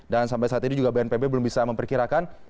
dan sampai saat ini juga bnpb belum bisa memperkirakan